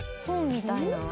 「本みたいな」